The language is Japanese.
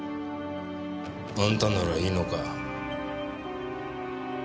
あんたならいいのか？